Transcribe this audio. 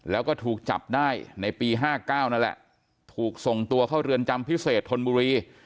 แล้วก็ถูกจับได้ในปี๕๙นั่นแหละถูกส่งตัวเข้าเรือนจำพิเศษธนบุรี